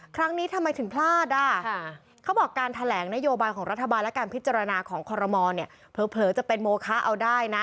ครั้งนี้ทำไมถึงพลาด